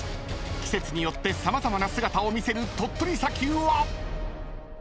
［季節によって様々な姿を見せる鳥取砂丘は⁉］